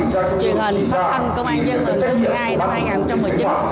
truyền hình phát thanh công an dân hình thứ một mươi hai năm hai nghìn một mươi chín